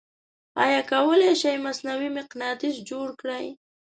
آیا کولی شئ مصنوعې مقناطیس جوړ کړئ؟